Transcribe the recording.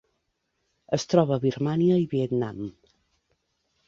Es troba a Birmània i Vietnam.